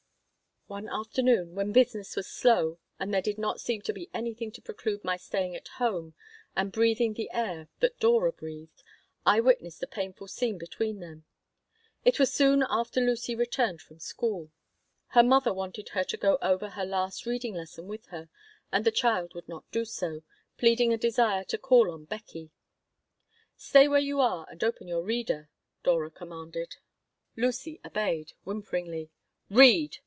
One afternoon, when business was slow and there did not seem to be anything to preclude my staying at home and breathing the air that Dora breathed, I witnessed a painful scene between them. It was soon after Lucy returned from school. Her mother wanted her to go over her last reading lesson with her, and the child would not do so, pleading a desire to call on Beckie "Stay where you are and open your reader," Dora commanded Lucy obeyed, whimperingly. "Read!"